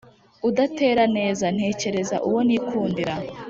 udatera neza ntekereza uwo nikundira.